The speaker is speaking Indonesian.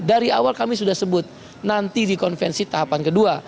dari awal kami sudah sebut nanti di konvensi tahapan kedua